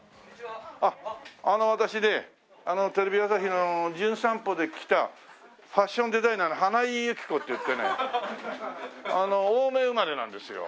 あっあの私ねテレビ朝日の『じゅん散歩』で来たファッションデザイナーの花井幸子っていってね青梅生まれなんですよ。